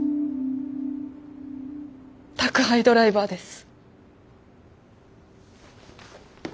宅配ドライバーです。